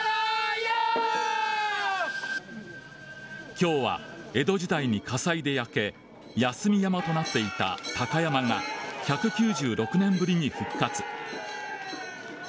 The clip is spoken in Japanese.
今日は江戸時代に火災で焼け休み山となっていた鷹山が１９６年ぶりに復活。